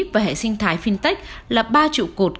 và hệ sinh thái fintech là ba trụ cột